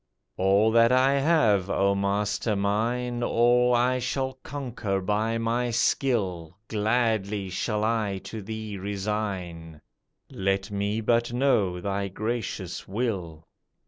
"All that I have, O Master mine, All I shall conquer by my skill, Gladly shall I to thee resign, Let me but know thy gracious will."